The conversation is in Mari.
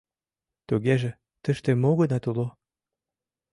Тугеже, тыште мо-гынат уло.